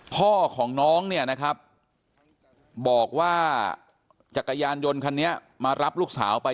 พ่อของน้องเนี่ยนะครับบอกว่าจักรยานยนต์คันนี้มารับลูกสาวไป